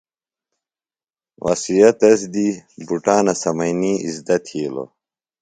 وسیعہ تس دی بُٹانہ سمئینی اِزدہ تھیلوۡ۔